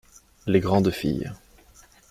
Les grandes filles.